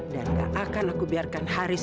dan gak akan aku biarkan haris